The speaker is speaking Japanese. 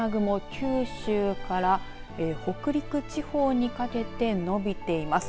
九州から北陸地方にかけて延びています。